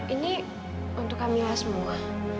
ini untuk kamila semua